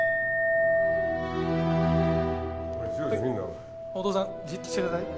はいお父さんじっとしてください。